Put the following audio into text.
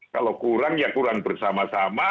kalau kurang ya kurang bersama sama